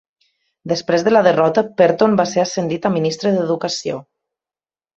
Després de la derrota, Perton va ser ascendit a Ministre d"Educació.